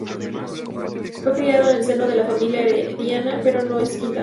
Fue criado en el seno de la familia Heredia, pero no es gitano.